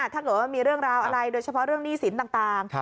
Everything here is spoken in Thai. ถ้าเกิดว่ามีเรื่องราวอะไรโดยเฉพาะเรื่องหนี้สินต่าง